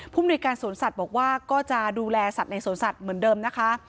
มนุยการสวนสัตว์บอกว่าก็จะดูแลสัตว์ในสวนสัตว์เหมือนเดิมนะคะ